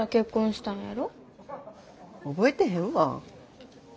覚えてへんわ。